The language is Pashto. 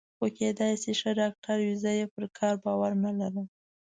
خو کېدای شي ښه ډاکټر وي، زه یې پر کار باور نه لرم.